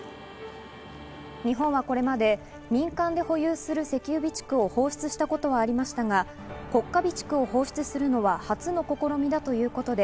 日本はこれまで民間で保有する石油備蓄を放出したことはありましたが、国家備蓄を放出するのは初の試みだということで、